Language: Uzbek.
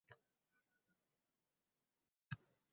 Nazira, endi katta qiz bo`lib qolding